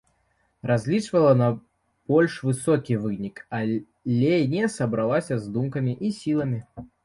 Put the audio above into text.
Разлічвала на больш высокі вынік, але не сабралася з думкамі і сіламі.